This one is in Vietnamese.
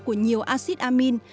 của nhiều acid amine